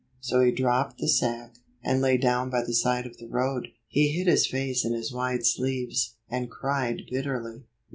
So he dropped the sack, and lay down by the side of the road. He hid his face in his wide sleeves, and cried bitterly.